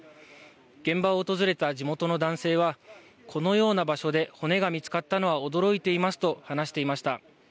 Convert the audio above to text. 現場を訪れた地元の男性はこのような場所で骨が見つかったのは驚いていますと話していました。